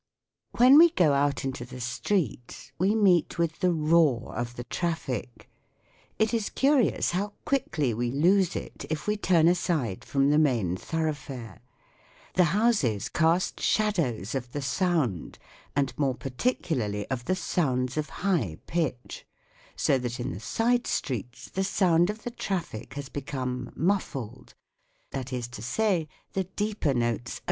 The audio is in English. When we go out into the street we meet with the roar of the traffic. It is curious how quickly we lose it if we turn aside from the main thoroughfare. The houses cast shadows of the sound, and more parti cularly of the sounds of high pitch ; so that in the side streets the sound of the traffic has become "muffled," that is to say, the deeper notes only are left.